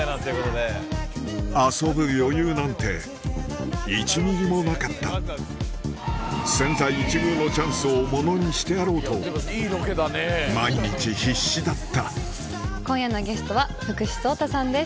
遊ぶ余裕なんて１ミリもなかった千載一遇のチャンスをものにしてやろうと毎日必死だった今夜のゲストは福士蒼汰さんです。